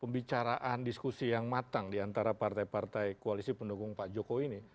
pembicaraan diskusi yang matang diantara partai partai koalisi pendukung pak jokowi ini